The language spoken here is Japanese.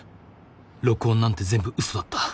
録音なんて全部うそだった。